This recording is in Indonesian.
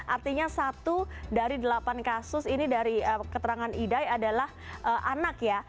artinya satu dari delapan kasus ini dari keterangan idai adalah anak ya